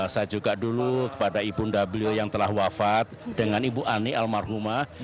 saya juga dulu kepada ibu ndablio yang telah wafat dengan ibu ani almarhumah